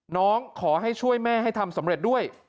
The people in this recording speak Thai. ขอให้ช่วยแม่ให้ทำสำเร็จด้วย